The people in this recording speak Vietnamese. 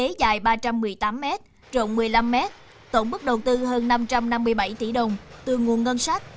thiết kế dài ba trăm một mươi tám m rộng một mươi năm m tổng bức đầu tư hơn năm trăm năm mươi bảy tỷ đồng từ nguồn ngân sách